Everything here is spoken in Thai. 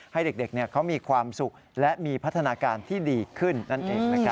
ให้เด็กเขามีความสุขและมีพัฒนาการที่ดีขึ้นนั่นเองนะครับ